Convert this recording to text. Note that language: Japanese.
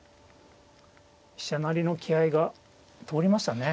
飛車成りの気合いが通りましたね。